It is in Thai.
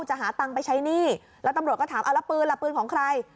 จะหาตังค์ไปใช้หนี้แล้วตำรวจก็ถามเอาแล้วปืนล่ะปืนของใคร